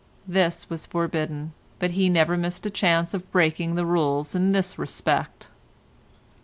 This was forbidden, but he never missed a chance of breaking the rules in this respect.